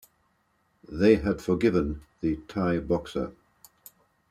They had forgiven the Thai boxer.